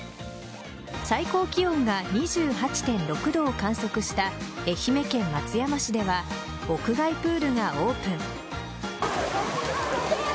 最高気温が２８．６度を観測した愛媛県松山市では屋外プールがオープン。